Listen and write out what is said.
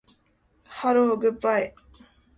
ハローグッバイ